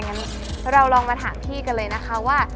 งั้นเราลองมาถามพี่กันเลยนะคะว่า